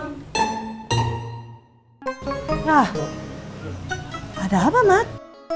nah ada apa mas